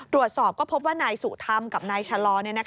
ตรวจสอบก็พบว่านายสุธรรมกับนายชะลอ